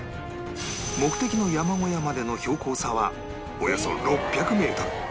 目的の山小屋までの標高差はおよそ６００メートル